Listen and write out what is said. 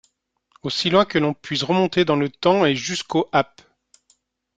Aussi loin que l'on puisse remonter dans le temps et jusqu'au ap.